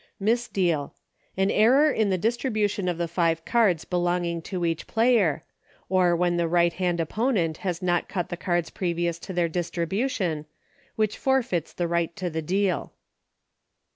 Misdeal. An error in the distribution of the five cards belonging to each player — or when the right hand opponent has not cut the cards previous to their distribution — which forfeits the right to the deal.